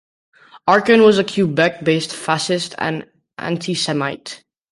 Arcand was a Quebec-based fascist and antisemite.